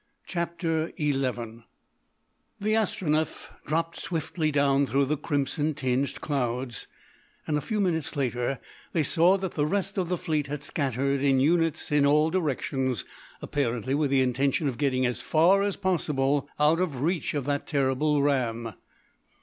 CHAPTER XI The Astronef dropped swiftly down through the crimson tinged clouds, and a few minutes later they saw that the rest of the fleet had scattered in units in all directions, apparently with the intention of getting as far as possible out of reach of that terrible ram.